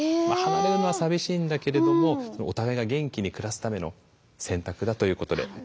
離れるのは寂しいんだけれどもお互いが元気に暮らすための選択だということで。